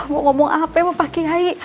mau ngomong apa ya mah pak kiai